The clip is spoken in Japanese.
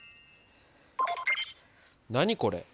何これ？